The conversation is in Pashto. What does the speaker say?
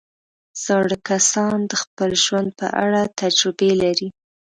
زاړه کسان د خپل ژوند په اړه تجربې لري